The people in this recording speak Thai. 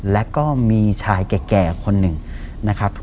แล้วก็มีชายแก่คนหนึ่งนะครับ